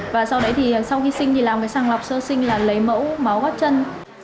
và sau đấy thì sau khi sinh thì làm mới sàng lọc sơ sinh là lấy mẫu máu chân